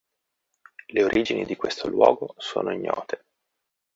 Le origini di questo luogo sono ignote.